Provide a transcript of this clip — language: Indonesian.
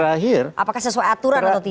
apakah sesuai aturan atau tidak